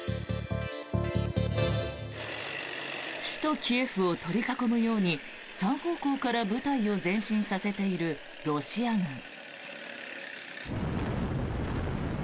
首都キエフを取り囲むように３方向から部隊を前進させているロシア軍。